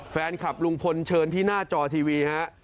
แฟนคลับลุงพลเชิญที่หน้าจอทีวีฮะ